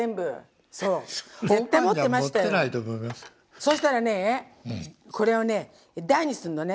そしたらねこれをね台にすんのね。